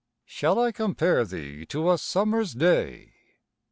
Shall I compare thee to a summer's day?